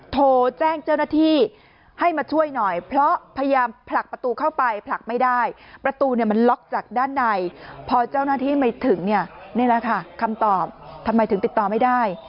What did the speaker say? ที่ไม่ถึงนี่แหละค่ะคำตอบทำไมถึงติดต่อไม่ได้